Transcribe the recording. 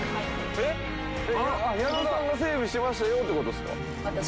矢野さんが整備しましたよってことっすか？